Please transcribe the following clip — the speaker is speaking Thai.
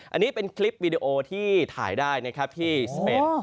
อันนี้เป็นคลิปวีดีโอที่ถ่ายได้นะครับที่สเปน